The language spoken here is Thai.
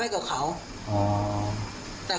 ซื้อเหรอเขาบอกไปขอ